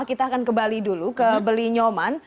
kita akan ke bali dulu ke belinyoman